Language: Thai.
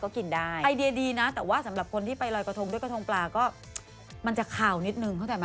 กระทงขาวนิดนึง